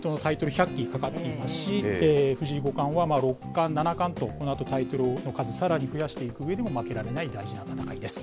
１００期かかっていますし、藤井五冠は、六冠、七冠と、このあとタイトルの数、さらに増やしてくるのにも、負けられない大事な戦いです。